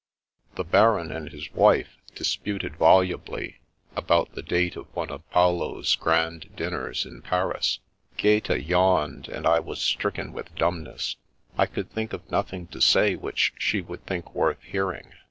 The Baron and his wife disputed volubly about the date of one of Paolo's grand dinners in Paris ; Gaeta 3rawned, and I was stricken with dumbness. I could think of nothing to say which she would think worth hearing.